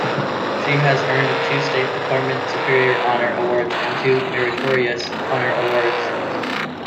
She has earned two State Department Superior Honor Awards and two Meritorious Honor Awards.